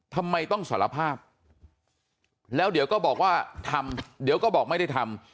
ทำไมต้องสารภาพแล้วเดี๋ยวก็บอกว่าทำเดี๋ยวก็บอกไม่ได้ทำ